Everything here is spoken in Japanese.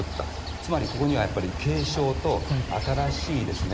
つまりここにはやっぱり継承と新しいですね